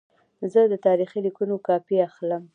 زه د تاریخي لیکونو کاپي اخلم.